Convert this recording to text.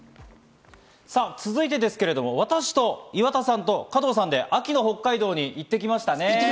続いてですが、私と岩田さんと加藤さんで秋の北海道に行ってきましたね。